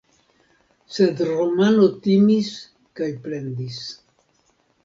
Sed Romano timis kaj plendis.